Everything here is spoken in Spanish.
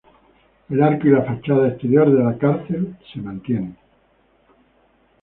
El arco y la fachada exterior de la cárcel se mantienen.